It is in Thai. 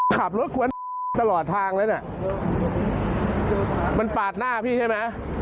เขาชนเองใช่ไหม